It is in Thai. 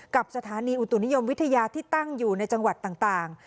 กับสถานีอุตุนิยมวิทยาที่ตั้งอยู่ในจังหวัดต่าง